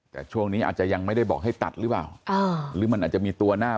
แต่ช่วงนี้อาจยังไม่ได้บอกให้ตัดหรือเปล่า